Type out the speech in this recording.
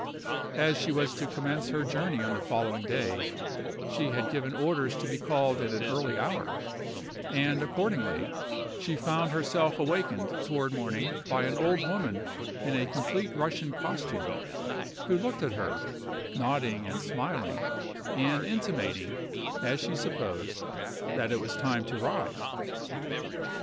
As she was to commence her journey on the following day, she had given orders to be called at an early hour, and, accordingly, she found herself awakened toward morning by an old woman in a complete Russian costume, who looked at her, nodding and smiling, and intimating, as she supposed, that it was time to rise.